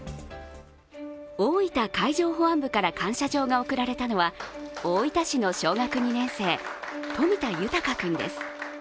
大分海上保安部から感謝状が贈られたのは大分市の小学２年生、冨田豊君です。